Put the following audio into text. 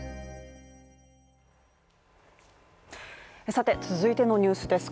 さて、続いてのニュースです